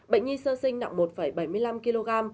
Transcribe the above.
bệnh nhi sơ sinh nặng một bảy mươi năm kg